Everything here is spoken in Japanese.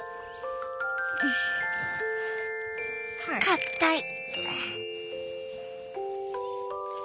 かったい！